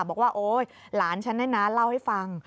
บอกว่าโอ๊ยหลานฉันเนี่ยนะเล่าให้ฟัง